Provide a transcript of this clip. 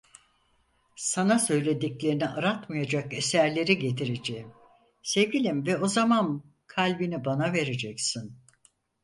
Sana söylediklerini aratmayacak eserleri getireceğim, sevgilim ve o zaman kalbini bana vereceksin…